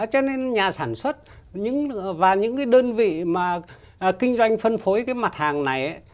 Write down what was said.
cho nên nhà sản xuất và những cái đơn vị mà kinh doanh phân phối cái mặt hàng này